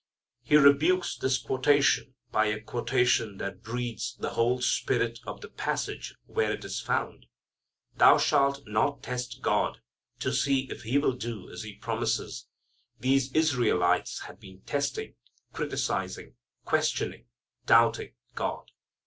He rebukes this quotation by a quotation that breathes the whole spirit of the passage where it is found. Thou shalt not test God to see if He will do as He promises. These Israelites had been testing, criticizing, questioning, doubting God.